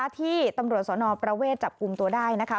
ที่ตำรวจสนประเวทจับกลุ่มตัวได้นะคะ